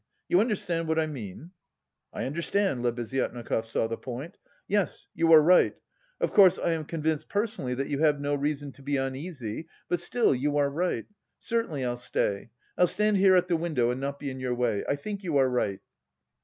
You understand what I mean?" "I understand!" Lebeziatnikov saw the point. "Yes, you are right.... Of course, I am convinced personally that you have no reason to be uneasy, but... still, you are right. Certainly I'll stay. I'll stand here at the window and not be in your way... I think you are right..."